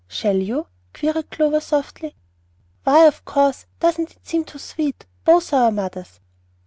"Shall you?" queried Clover, softly. "Why, of course! Doesn't it seem too sweet? Both our mothers!"